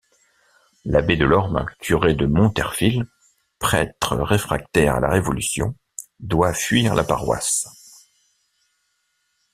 L'abbé Delorme, curé de Monterfil, prêtre réfractaire à la révolution doit fuir la paroisse.